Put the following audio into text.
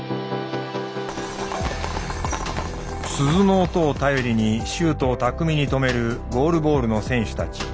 鈴の音を頼りにシュートを巧みに止めるゴールボールの選手たち。